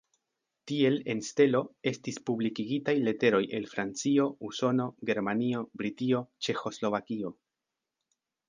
Tiel en "Stelo" estis publikigitaj leteroj el Francio, Usono, Germanio, Britio, Ĉeĥoslovakio.